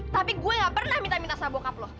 tapi gue nggak pernah minta minta sama bokap lo